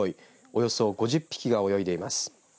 およそ５０匹が泳いでいます。